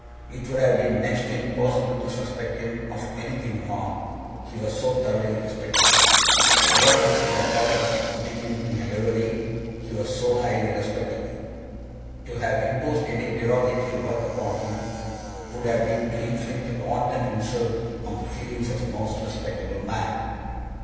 It would have been next to impossible to suspect him of anything wrong, he was so thoroughly respectable. Nobody could have thought of putting him in a livery, he was so highly respectable. To have imposed any derogatory work upon him, would have been to inflict a wanton insult on the feelings of a most respectable man.